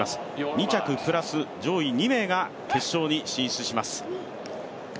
２着プラス上位２名が決勝に進出します。